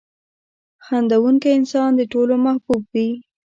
• خندېدونکی انسان د ټولو محبوب وي.